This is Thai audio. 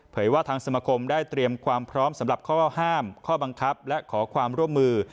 ว่าทางสมคมได้เตรียมความพร้อมสำหรับข้อห้ามข้อบังคับและขอความร่วมมือ